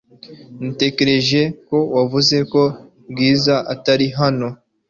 Natekereje ko wavuze ko Bwiza atari hano .